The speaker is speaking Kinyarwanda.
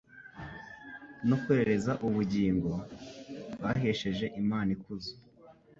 no kwerereza ubugingo. Bahesheje Imana ikuzo